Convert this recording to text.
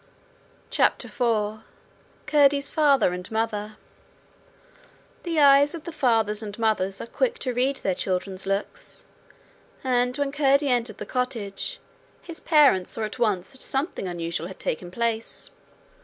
CHAPTER 4 Curdie's Father and Mother The eyes of the fathers and mothers are quick to read their children's looks, and when Curdie entered the cottage, his parents saw at once that something unusual had taken place.